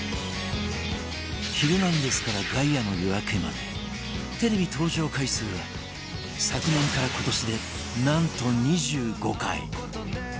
『ヒルナンデス！』から『ガイアの夜明け』までテレビ登場回数は昨年から今年でなんと２５回